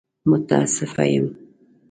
متاسفه يم!